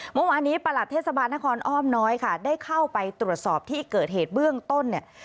เมื่อวานนี้ประหลัดเทศบาลนครอ้อมน้อยค่ะได้เข้าไปตรวจสอบที่เกิดเหตุเบื้องต้นเนี่ย